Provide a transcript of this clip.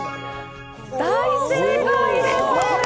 大正解です。